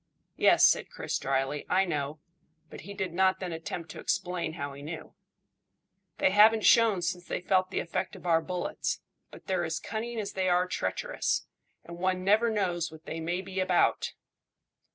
"Yes," said Chris dryly, "I know;" but he did not then attempt to explain how he knew. "They haven't shown since they felt the effect of our bullets, but they're as cunning as they are treacherous, and one never knows what they may be about."